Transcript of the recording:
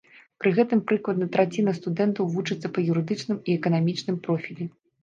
Пры гэтым прыкладна траціна студэнтаў вучыцца па юрыдычным і эканамічным профілі.